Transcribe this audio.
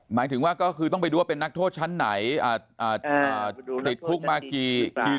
หมายถึงว่าก็คือต้องไปดูว่าเป็นนักโทษชั้นไหนติดคุกมากี่ปี